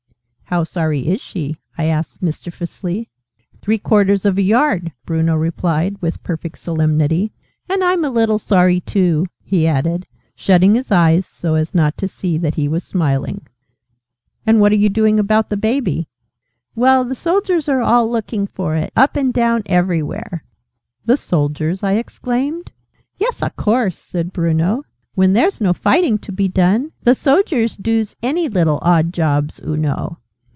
"How sorry is she?" I asked, mischievously. "Three quarters of a yard," Bruno replied with perfect solemnity. "And I'm a little sorry too," he added, shutting his eyes so as not to see that he was smiling. "And what are you doing about the Baby?" "Well, the soldiers are all looking for it up and down everywhere." "The soldiers?" I exclaimed. "Yes, a course!" said Bruno. "When there's no fighting to be done, the soldiers doos any little odd jobs, oo know."